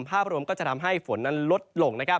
ภาพรวมก็จะทำให้ฝนนั้นลดลง